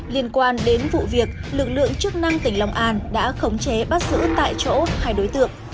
liên quan đến vụ việc lực lượng chức năng tỉnh lòng an đã khống chế bắt giữ tại chỗ hai đối tượng